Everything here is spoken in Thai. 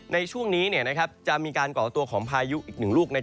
ในช่วงนี้จะมีการก่อตัวของพายุอีกหนึ่งลูก